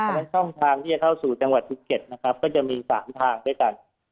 และช่องทางที่จะเข้าสู่จังหวัดภูเก็ตนะครับก็จะมีสามทางด้วยกัน